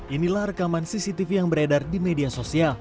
inilah rekaman cctv yang beredar di media sosial